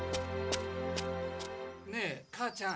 ・ねえ母ちゃん。